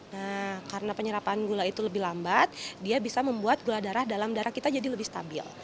nah karena penyerapan gula itu lebih lambat dia bisa membuat gula darah dalam darah kita jadi lebih stabil